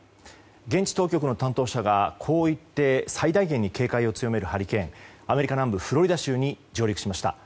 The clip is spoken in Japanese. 現地当局の担当者がこう言って最大限に警戒を強めるハリケーンがアメリカ南部フロリダ州に上陸しました。